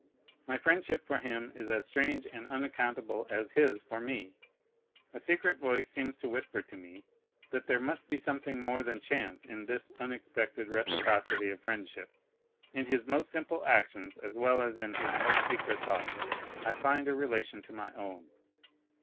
My friendship for him is as strange and unaccountable as his for me. A secret voice seems to whisper to me that there must be something more than chance in this unexpected reciprocity of friendship. In his most simple actions, as well as in his most secret thoughts, I find a relation to my own.